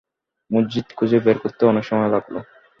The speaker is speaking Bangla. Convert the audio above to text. মসজিদ খুঁজে বের করতেও অনেক সময় লাগল।